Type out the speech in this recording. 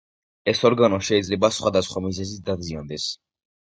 ეს ორგანო შეიძლება სხვადასხვა მიზეზით დაზიანდეს.